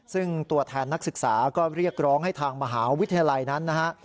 ซึ่งตัวแทนนักศึกษาก็เรียกร้องให้ทางมหาวิทยาลัยนั้นนะฮะ